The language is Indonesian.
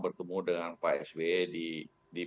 bertemu dengan pak s w di